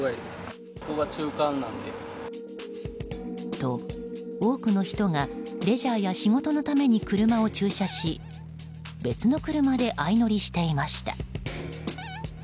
と、多くの人がレジャーや仕事のために車を駐車し別の車で相乗りしていました。